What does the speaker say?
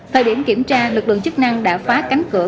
thời điểm kiểm tra lực lượng chức năng đã phá cánh cửa